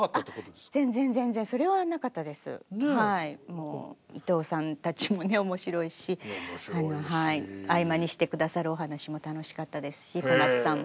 もう伊東さんたちもね面白いし合間にして下さるお話も楽しかったですし小松さんも。